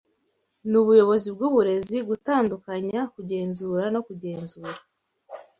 nubuyobozi bwuburezi gutandukanya kugenzura no kugenzura